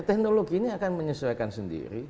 teknologi ini akan menyesuaikan sendiri